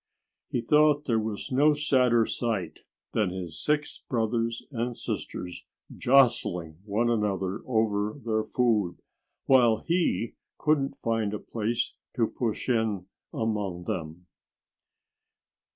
He thought there was no sadder sight than his six brothers and sisters jostling one another over their food, while he couldn't find a place to push in among them.